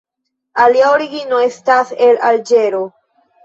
Ilia origino estas el Alĝero.